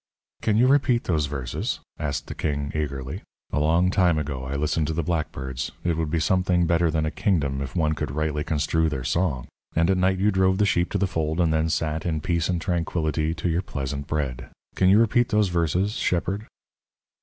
"Can you repeat those verses?" asked the king, eagerly. "A long time ago I listened to the blackbirds. It would be something better than a kingdom if one could rightly construe their song. And at night you drove the sheep to the fold and then sat, in peace and tranquillity, to your pleasant bread. Can you repeat those verses, shepherd?"